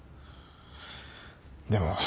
でも。